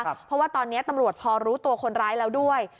เพราะว่าตอนนี้ตำรวจพอรู้ตัวคนร้ายแล้วด้วย